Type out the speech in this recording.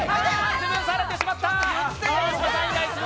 潰されてしまった！